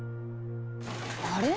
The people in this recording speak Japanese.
あれ？